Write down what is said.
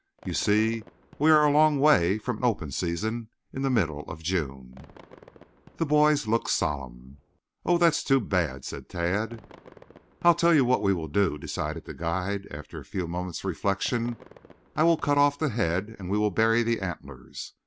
You see we are a long way from an open season in the middle of June." The boys looked solemn. "Oh, that's too bad," said Tad. "I'll tell you what we will do," decided the guide, after a few moments' reflection. "I will cut off the head and we will bury the antlers.